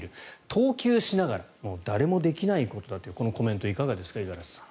投球しながら誰もできないことだというこのコメントいかがですか五十嵐さん。